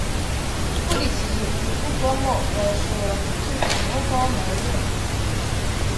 Ukurikije ibivugwamo, barashobora kubyutsa umwuka wamayobera